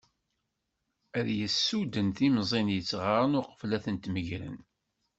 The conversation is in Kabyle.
Ad yessuden timẓin yettɣaran uqbel ad tent-megren.